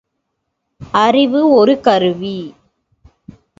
அறிவு ஒரு கருவி.